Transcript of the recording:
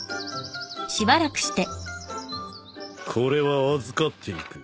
これは預かっていく。